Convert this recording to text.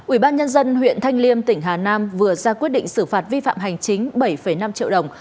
ủy ban nhân dân huyện thanh liêm tỉnh hà nam vừa ra quyết định xử phạt vi phạm hành chính bảy năm triệu đồng